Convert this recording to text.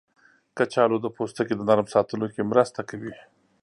کچالو د پوستکي د نرم ساتلو کې مرسته کوي.